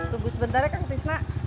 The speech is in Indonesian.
tunggu sebentar ya kak fisna